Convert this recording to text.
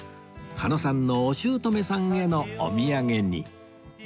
羽野さんのお姑さんへのお土産に